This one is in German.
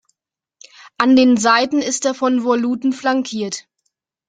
An den Seiten ist er von Voluten flankiert.